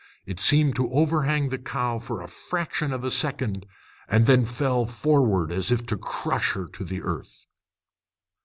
It seemed to overhang the cow for a fraction of a second, and then fell forward as if to crush her to the earth.